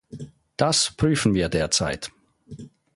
Das prüfen wir derzeit.